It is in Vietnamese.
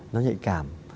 nó nhạy cảm